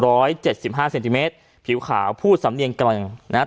ร้อยเจ็ดสิบห้าเซนติเมตรผิวขาวพูดสำเนียงกลางนะฮะ